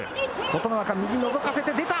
琴ノ若、右のぞかせて、出た！